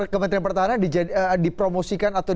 kementerian pertahanan dipromosikan atau